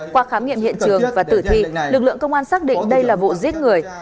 qua khám nghiệm hiện trường và tử thi lực lượng công an xác định đây là vụ giết người